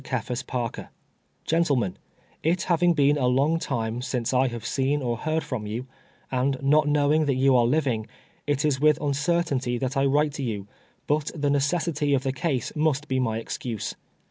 Cephas Pareer :" Gentlemen — It having been a long time since I have seen or heard from you, and not knowing that you are living, it is with uncertainty that I write to you, but the necessity of the case must be my excuse.